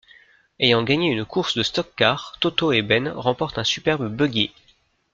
Ayant gagné une course de stock-car, Toto et Ben remportent un superbe Buggy.